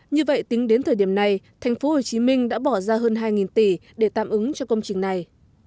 như vậy tính đến thời điểm này tp hcm đã bỏ ra hơn hai tỷ để tạm ứng cho công trình này